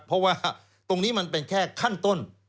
เพราะว่าตรงนี้มันเป็นแค่ขั้นต้น